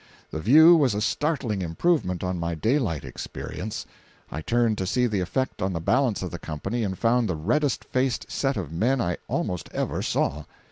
The view was a startling improvement on my daylight experience. I turned to see the effect on the balance of the company and found the reddest faced set of men I almost ever saw.